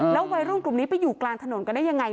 วัยรุ่นกลุ่มนี้ไปอยู่กลางถนนกันได้ยังไง